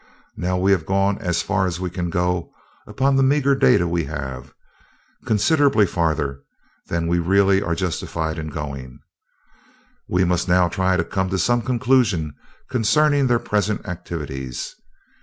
Now we have gone as far as we can go upon the meager data we have considerably farther than we really are justified in going. We must now try to come to some conclusion concerning their present activities.